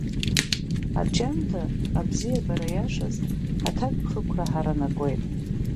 Арҿиамҭа абзиабара иашазы аҭакԥхықәра ҳаранакуеит.